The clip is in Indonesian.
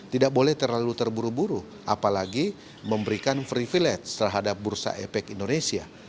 tidak boleh terlalu terburu buru apalagi memberikan privilege terhadap bursa efek indonesia